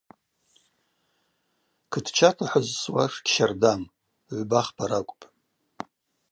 Кытчата хӏызсуаш гьщардам – гӏвба-хпа ракӏвпӏ.